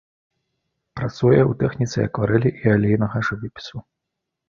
Працуе ў тэхніцы акварэлі і алейнага жывапісу.